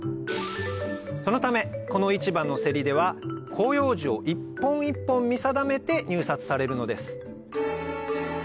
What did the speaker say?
そのためこの市場のセリでは広葉樹を一本一本見定めて入札されるのです